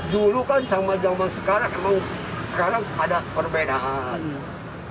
dulu kan sama zaman sekarang emang sekarang ada perbedaan